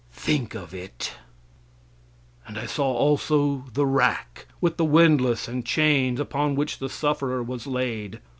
Think of it! And I saw also the rack, with the windlass and chains, upon which the sufferer was laid.